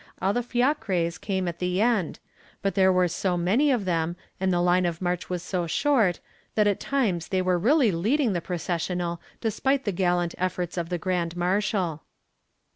All the fiacres came at the end, but there were so many of them and the line of march was so short that at times they were really leading the processional despite the gallant efforts of the grand marshal.